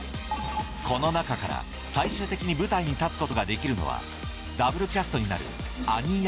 この中から最終的に舞台に立つことができるのはダブルキャストになるアニー役